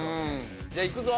じゃあいくぞ。